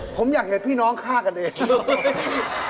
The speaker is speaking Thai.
ผมอยากเห็นพี่น้องฆ่ากันเอง